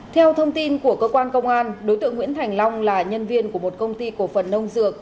theo thông tin của cơ quan công an đối tượng nguyễn thành long là nhân viên của một công ty cổ phần nông dược